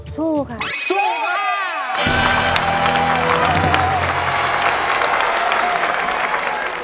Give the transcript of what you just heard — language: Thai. สู้ค่ะสู้ค่ะสู้ค่ะสู้ค่ะ